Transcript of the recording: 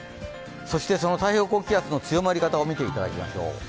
そして、その太平洋高気圧の強まり方を見ていただきましょう。